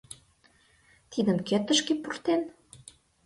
Тидым кӧ тышке пуртен?